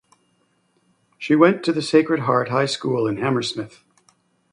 She went to the Sacred Heart High School in Hammersmith.